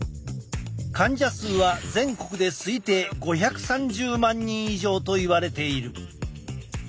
患者数は全国で推定５３０万人以上といわれている。